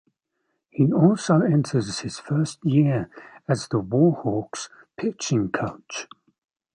He also enters his first year as the Warhawks' pitching coach.